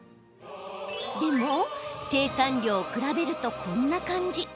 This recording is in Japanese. でも、生産量を比べるとこんな感じ。